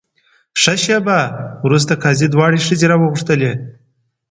ښه شېبه وروسته قاضي دواړه ښځې راوغوښتلې.